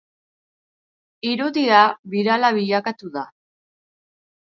Irudia birala bilakatu da.